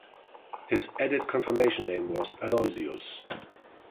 His added confirmation name was Aloysius.